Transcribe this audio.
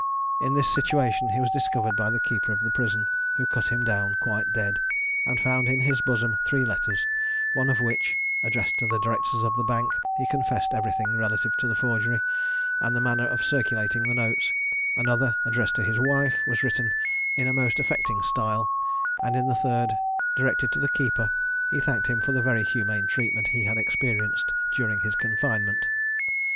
In this situation he was discovered by the keeper of the prison, who cut him down quite dead, and found in his bosom three letters; in one of which, addressed to the directors of the Bank, he confessed everything relative to the forgery, and the manner of circulating the notes; another, addressed to his wife, was written in a most affecting style; and in the third, directed to the keeper, he thanked him for the very humane treatment he had experienced during his confinement.